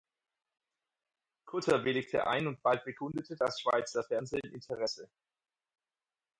Kutter willigte ein und bald bekundete das Schweizer Fernsehen Interesse.